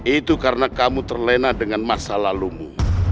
itu karena kamu terlena dengan masa lalumu